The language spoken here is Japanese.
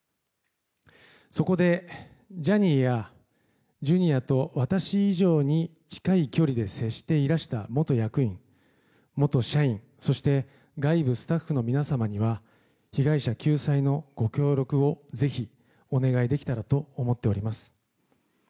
そこで、ジャニーやＪｒ．と私以上に近い距離で接していらした元役員、元社員そして外部スタッフの皆様には被害者救済のご協力をぜひお願いできたらと思っております。